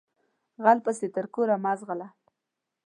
غل پسې تر کوره مه ځغلهٔ